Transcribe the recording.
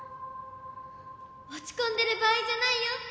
落ち込んでる場合じゃないよ！